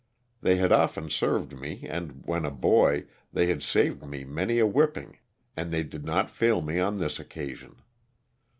They had often served me and, when a boy, they had saved me many a whipping and they did not fail me on this occasion.